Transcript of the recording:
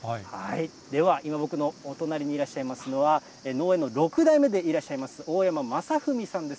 では、今僕のお隣にいらっしゃいますのは、農園の６代目でいらっしゃいます、大山真史さんです。